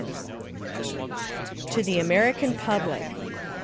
TO THE AMERICAN PUBLIC.